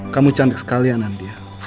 kamu cantik sekali anandya